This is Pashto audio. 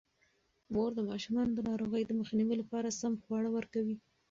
مور د ماشومانو د ناروغۍ د مخنیوي لپاره سم خواړه ورکوي.